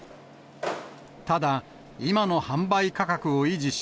ただ、今の販売価格を維持し、